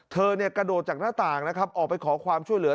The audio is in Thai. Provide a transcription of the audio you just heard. เธอกระโดดจากหน้าต่างนะครับออกไปขอความช่วยเหลือ